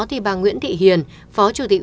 thì bà nguyễn thị hiền phó chủ tịch